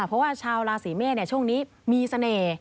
เพราะว่าชาวราศีเมษช่วงนี้มีเสน่ห์